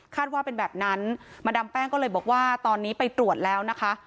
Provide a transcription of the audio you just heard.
ว่าเป็นแบบนั้นมาดามแป้งก็เลยบอกว่าตอนนี้ไปตรวจแล้วนะคะ